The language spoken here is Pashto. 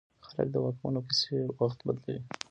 خلک د واکمنو پسې وخت بدلوي.